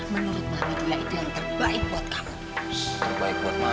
menurut mami juga itu yang terbaik buat kamu